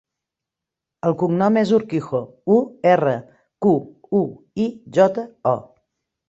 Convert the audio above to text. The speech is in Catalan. El cognom és Urquijo: u, erra, cu, u, i, jota, o.